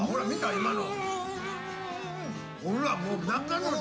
今の。